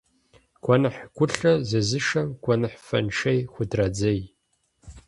Гуэныхь гулъэ зезышэм гуэныхь фэншей худрадзей.